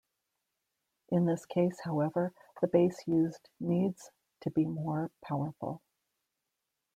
In this case, however, the base used needs to be more powerful.